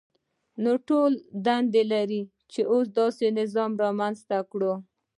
نو ټول دنده لرو چې داسې نظام رامنځته کړو.